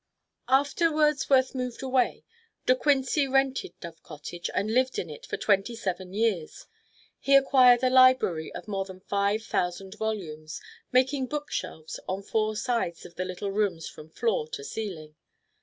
After Wordsworth moved away, De Quincey rented Dove Cottage and lived in it for twenty seven years. He acquired a library of more than five thousand volumes, making bookshelves on four sides of the little rooms from floor to ceiling.